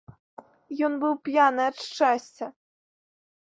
Ён быў п'яны ад шчасця.